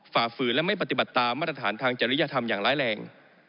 ฝ่าฝืนและไม่ปฏิบัติตามมาตรฐานทางจริยธรรมอย่างร้ายแรง